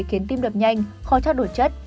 khiến tim đập nhanh khó chắc đổi chất